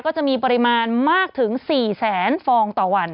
ก็จะมีปริมาณมากถึง๔๐๐๐๐๐ฟองต่อวัน